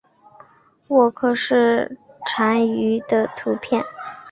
沃克氏蟾鱼的图片